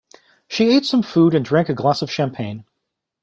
She ate some food and drank a glass of champagne.